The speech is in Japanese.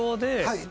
はい。